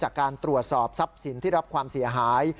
จากการตรวจสอบทรัพย์สินที่รับความเสียหาย